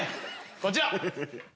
こちら。